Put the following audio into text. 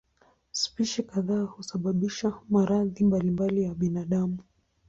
Spishi kadhaa husababisha maradhi mbalimbali ya binadamu.